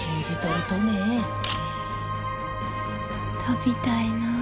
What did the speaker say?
飛びたいな。